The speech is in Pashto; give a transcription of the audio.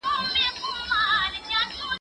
زه له سهاره زده کړه کوم،